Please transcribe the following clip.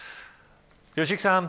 良幸さん。